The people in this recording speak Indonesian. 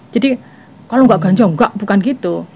jadi kalau nggak ganja nggak bukan gitu